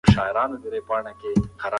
لکه سپوږمۍ.